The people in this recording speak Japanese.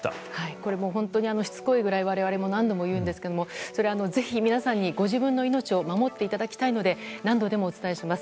これも本当にしつこいくらい我々も何度も言うんですがぜひ、皆さんにご自分の命を守っていただきたいので何度でもお伝えします。